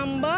oh ini dia